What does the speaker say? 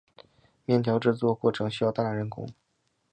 面条制作过程需要大量人工。